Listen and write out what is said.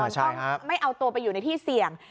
ต้องไม่เอาตัวไปอยู่ในที่เสี่ยง